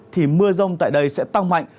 thì mưa rông tại đây sẽ tăng mạnh